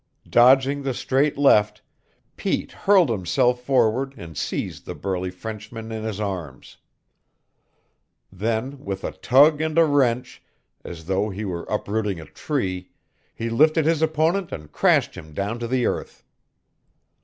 Dodging the straight left, Pete hurled himself forward and seized the burly Frenchman in his arms. Then, with a tug and a wrench, as though he were uprooting a tree, he lifted his opponent and crashed him down to the earth.